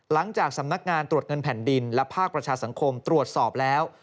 หลังจากสำนักงานตรวจเงินแผ่นดินและภาคประชาสังคมตรวจสอบแล้ว